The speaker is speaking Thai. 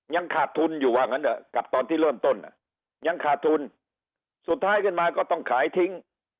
ยังขาดทุนอยู่ว่างั้นเถอะกับตอนที่เริ่มต้นยังขาดทุนสุดท้ายขึ้นมาก็ต้องขายทิ้ง